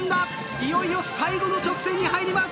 いよいよ最後の直線に入ります。